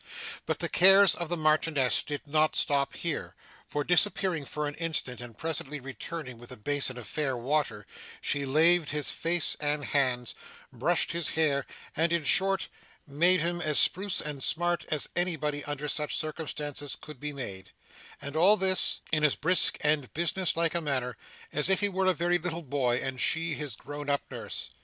But the cares of the Marchioness did not stop here; for, disappearing for an instant and presently returning with a basin of fair water, she laved his face and hands, brushed his hair, and in short made him as spruce and smart as anybody under such circumstances could be made; and all this, in as brisk and business like a manner, as if he were a very little boy, and she his grown up nurse.